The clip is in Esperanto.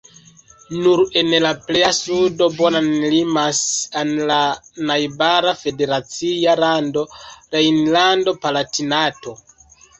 Nur en la pleja sudo Bonn limas al la najbara federacia lando Rejnlando-Palatinato.